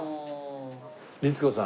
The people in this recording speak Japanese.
律子さん。